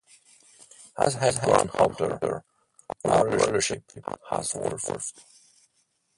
As I have grown older, our relationship has evolved.